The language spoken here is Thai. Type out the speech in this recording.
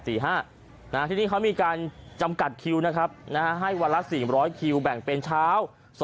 ที่เขามีการจำกัดคิวนะครับให้วันละ๔๐๐คิวแบ่งเป็นเช้า